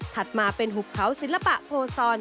มาเป็นหุบเขาศิลปะโพซอน